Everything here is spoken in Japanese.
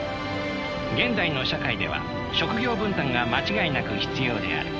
現代の社会では職業分担が間違いなく必要である。